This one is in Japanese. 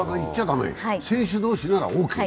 選手同士ならオーケー。